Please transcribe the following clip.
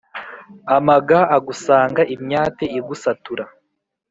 Amaga agusaga imyate igusatura